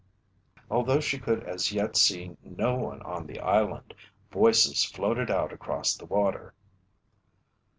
Although she could as yet see no one on the island, voices floated out across the water.